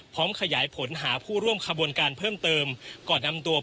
พร้อมขยายผลหาผู้ร่วมขบวนการเพิ่มเติม